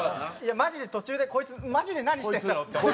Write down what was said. マジで途中で「こいつマジで何してんだろう」って思いました。